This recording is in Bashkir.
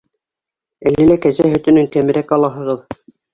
Әле лә кәзә һөтөнән кәмерәк алаһығыҙ.